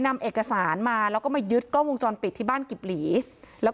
นำเอกสารมาแล้วก็มายึดกล้องวงจรปิดที่บ้านกิบหลีแล้ว